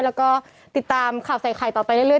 แล้วก็ติดตามข่าวใส่ไข่ต่อไปเรื่อย